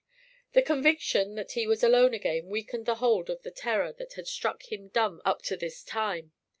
The conviction that he was alone again weakened the hold of the terror that had struck him dumb up to this time.